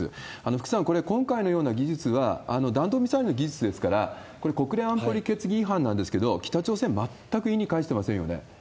福さん、これ、今回のような技術は、弾道ミサイルの技術ですから、これ、国連安保理決議違反なんですけど、北朝鮮、全く意に介してませんよ